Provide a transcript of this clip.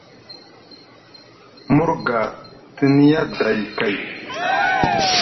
Murga te niya day kay.